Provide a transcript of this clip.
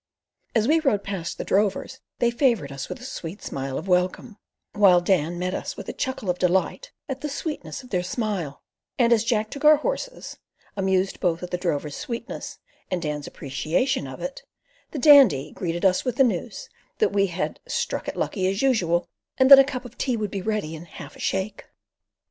As we rode past the drovers they favoured us with a sweet smile of welcome, while Dan met us with a chuckle of delight at the sweetness of their smile, and as Jack took our horses—amused both at the drovers' sweetness and Dan's appreciation of it—the Dandy greeted us with the news that we had "struck it lucky, as usual," and that a cup of tea would be ready in "half a shake."